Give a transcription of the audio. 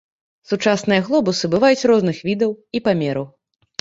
Сучасныя глобусы бываюць розных відаў і памераў.